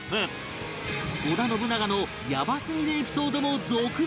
織田信長のやばすぎるエピソードも続々！